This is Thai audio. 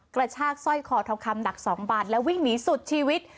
กระชากสร้อยคอทองคำหนัก๒บาทแล้ววิ่งหนีสุดชีวิต